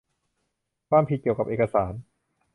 ความผิดเกี่ยวกับเอกสาร